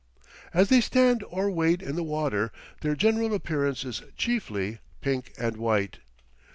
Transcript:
As they stand or wade in the water their general appearance is chiefly pink and white.